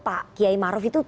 pak kiai maruf itu